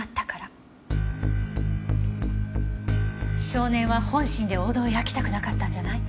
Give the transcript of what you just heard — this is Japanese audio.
少年は本心ではお堂を焼きたくなかったんじゃない？